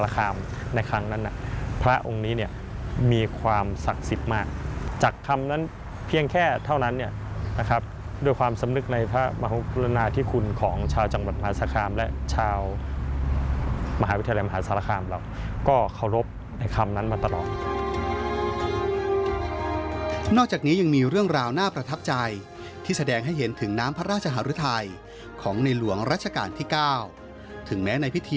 พระองค์นี้เนี่ยมีความศักดิ์สิทธิ์มากจากคำนั้นเพียงแค่เท่านั้นเนี่ยนะครับด้วยความสำนึกในพระมหากรุณาธิคุณของชาวจังหวัดมหาสคามและชาวมหาวิทยาลัยมหาสารคามเราก็เคารพในคำนั้นมาตลอดนอกจากนี้ยังมีเรื่องราวน่าประทับใจที่แสดงให้เห็นถึงน้ำพระราชหารุทัยของในหลวงรัชกาลที่๙ถึงแม้ในพิธี